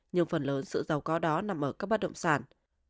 nhưng phần lớn sự giàu có đó nằm ở các bất động sản